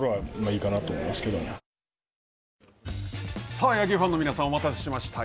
さあ、野球ファンの皆さん、お待たせしました。